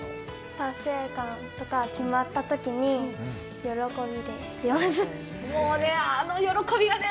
達成感とか、決まったときの喜びです。